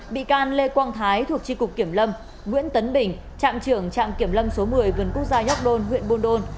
bị can lê quang thái thuộc tri cục kiểm lâm nguyễn tấn bình trạm trưởng trạm kiểm lâm số một mươi vườn quốc gia york don huyện buôn đôn